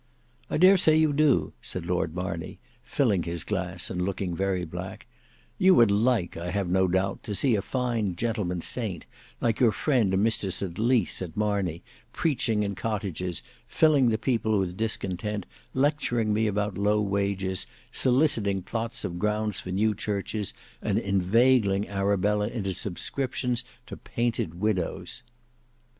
"I dare say you do," said Lord Marney, filling his glass and looking very black; "you would like, I have no doubt, to see a fine gentleman saint, like your friend Mr St Lys, at Marney, preaching in cottages, filling the people with discontent, lecturing me about low wages, soliciting plots of grounds for new churches, and inveigling Arabella into subscriptions to painted windows."